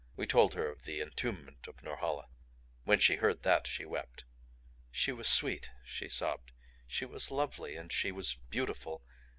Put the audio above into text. We told her of the entombment of Norhala. When she heard that she wept. "She was sweet," she sobbed; "she was lovely. And she was beautiful.